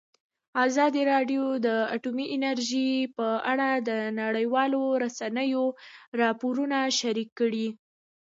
ازادي راډیو د اټومي انرژي په اړه د نړیوالو رسنیو راپورونه شریک کړي.